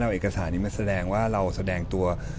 เอาเอกสารนี้มาแสดงว่าเราแสดงตัว